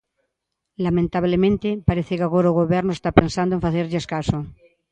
Lamentablemente, parece que agora o Goberno está pensando en facerlles caso.